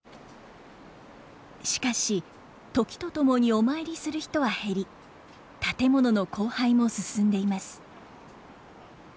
しかし時とともにお参りする人は減り建物の荒廃も進んでいます。